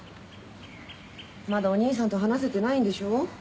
まだお兄さんと話せてないんでしょ？